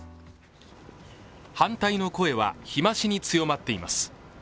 反対の声は、日増しに強まっています。